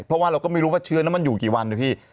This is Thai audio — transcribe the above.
เพราะว่าเราก็ไม่รู้ว่าเชื้อนั้นมันอยู่กี่วันนะพี่